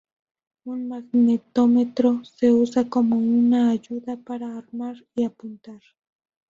Un magnetómetro se usa como una ayuda para armar y apuntar.